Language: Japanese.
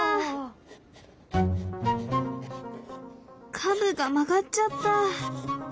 カムが曲がっちゃった。